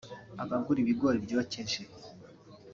abagura ibigori byokeje